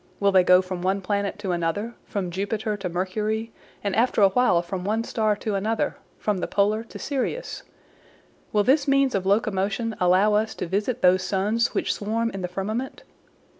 Will they go from one planet to another, from Jupiter to Mercury, and after awhile from one star to another, from the Polar to Sirius? Will this means of locomotion allow us to visit those suns which swarm in the firmament?